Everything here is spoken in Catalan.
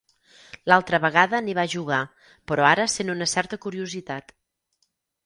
L'altra vegada ni va jugar, però ara sent una certa curiositat.